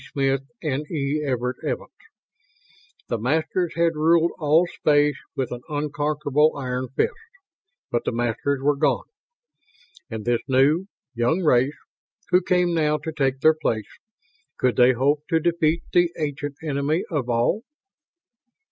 SMITH & E. EVERETT EVANS Illustrated by BERRY The Masters had ruled all space with an unconquerable iron fist. But the Masters were gone. And this new, young race who came now to take their place could they hope to defeat the ancient Enemy of All?